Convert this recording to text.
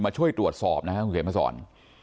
ช่วยตรวจสอบนะครับคุณเขียนมาสอน